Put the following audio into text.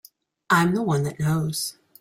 I'm the one that knows.